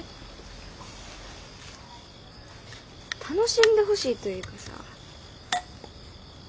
楽しんでほしいというかさ。